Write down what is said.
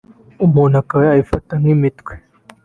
umuntu akaba yabifata nk’imitwe